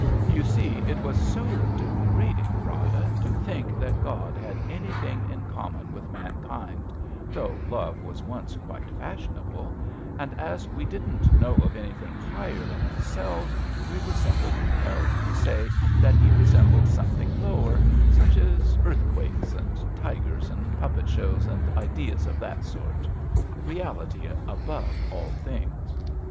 You see, it was so degrading , Rada, to think that God had anything in common with mankind (though love was once quite fashionable), and as we didn't know of anything higher than ourselves we were simply compelled to say that He re sembled something lower, such as earth quakes, and tigers, and puppet shows, and ideas of that sort. Reality above all things